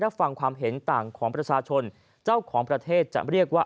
ฟังความเห็นต่างของประชาชนเจ้าของประเทศจะเรียกว่า